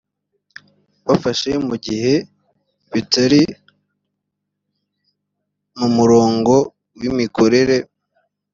bafashe mu gihe bitari mu murongo w imikorere